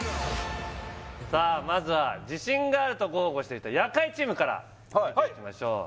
さあまずは自信があると豪語していた夜会チームからはい見ていきましょう